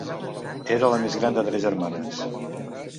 Era la més gran de tres germans.